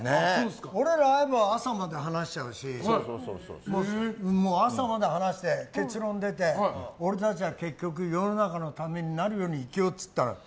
俺ら、会えば朝まで話しちゃうし、朝まで話して結論出て、俺たちは結局世の中のなるように生きようって言ったの。